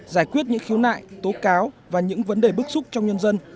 giải quyết những khiếu nại tố cáo và những vấn đề bức xúc trong nhân dân